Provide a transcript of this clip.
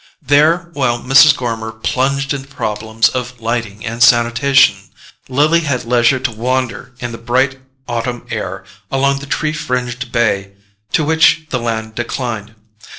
There, while Mrs. Gormer plunged into problems of lighting and sanitation, Lily had leisure to wander, in the bright autumn air, along the tree fringed bay to which the land declined.